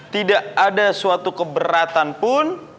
tidak ada suatu keberatan pun